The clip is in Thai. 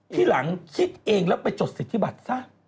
ทีหลังคิดเองแล้วไปจดสิทธิบัตรซะ